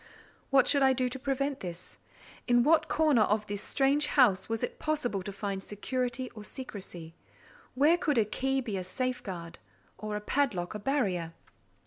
What should I do to prevent this? In what corner of this strange house was it possible to find security or secresy? Where could a key be a safeguard, or a padlock a barrier?